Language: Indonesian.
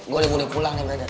gue udah boleh pulang nih brother